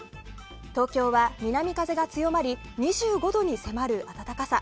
東京は南風が強まり２５度に迫る暖かさ。